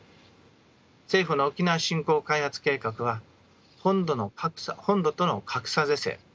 政府の沖縄振興開発計画は本土との格差是正